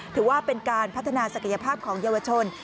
ถือว่าเป็นการพัฒนาศักยภาพของเยาวชน